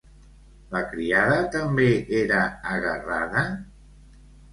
La criada també era agarrada?